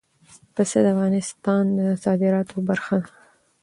پسه د افغانستان د صادراتو برخه ده.